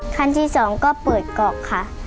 ขั้นที่สองก็เปิดกรอกค่ะ